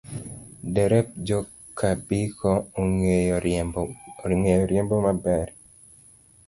Derep joka Biko ong'eyo riembo maber.